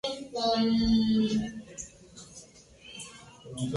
Aunque nació en Temuco, vivió gran parte de su niñez en Santiago.